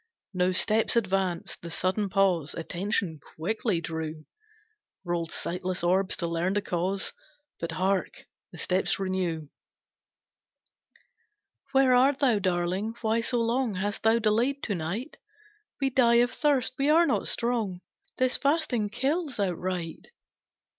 No steps advanced, the sudden pause Attention quickly drew, Rolled sightless orbs to learn the cause, But, hark! the steps renew. "Where art thou, darling why so long Hast thou delayed to night? We die of thirst, we are not strong, This fasting kills outright.